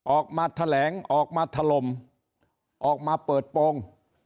ออกมาแถลงออกมาถล่มออกมาเปิดโปรง